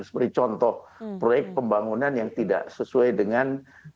seperti contoh proyek pembangunan yang tidak sesuai dengan